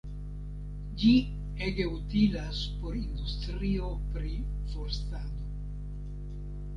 Ĝi ege utilas por industrio pri forstado.